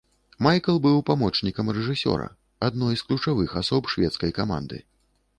Майкл быў памочнікам рэжысёра, адной з ключавых асоб шведскай каманды.